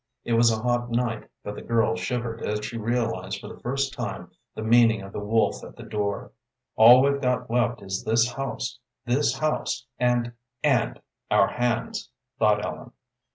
It was a hot night, but the girl shivered as she realized for the first time the meaning of the wolf at the door. "All we've got left is this house this house and and our hands," thought Ellen.